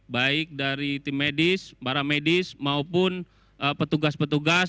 baik dari tim medis para medis maupun petugas petugas